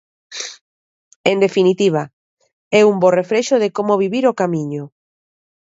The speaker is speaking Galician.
En definitiva, é un bo reflexo de como vivir o Camiño.